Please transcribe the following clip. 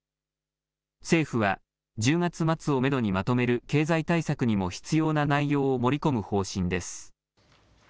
政府は１０月末をめどにまとめる経済対策にも必要な内容を盛り込む方針です。